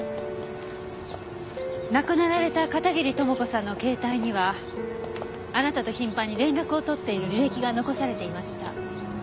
亡くなられた片桐朋子さんの携帯にはあなたと頻繁に連絡を取っている履歴が残されていました。